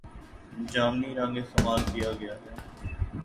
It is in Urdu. جامنی رنگ استعمال کیا گیا ہے